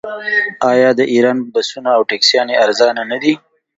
آیا د ایران بسونه او ټکسیانې ارزانه نه دي؟